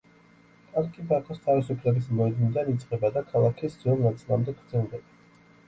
პარკი ბაქოს თავისუფლების მოედნიდან იწყება და ქალაქის ძველ ნაწილამდე გრძელდება.